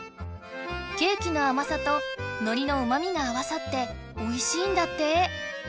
ケーキのあまさとのりのうまみが合わさっておいしいんだって！